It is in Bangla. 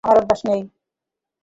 আমার অভ্যাস নেই।